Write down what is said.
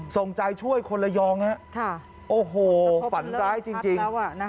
ส่งใจช่วยคนละยองน่ะโอ้โหฝันร้ายจริงนะฮะโอ้โหมันเริ่มทัศน์แล้ว